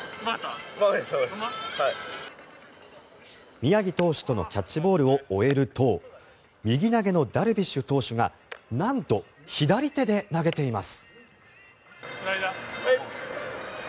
宮城投手とのキャッチボールを終えると右投げのダルビッシュ投手がなんと左手で投げています。